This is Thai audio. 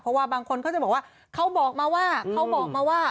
เพราะว่าบางคนเขาจะบอกว่าเขาบอกมาว่า